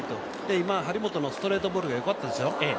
今張本のストレートボールがよかったでしょ。